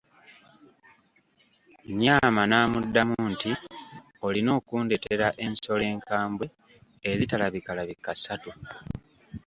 Nyaama n'amuddamu nti, olina okundeetera ensolo enkambwe ezitalabikalabika ssatu